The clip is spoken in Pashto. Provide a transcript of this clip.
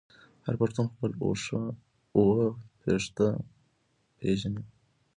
هر پښتون خپل اوه پيښته پیژني.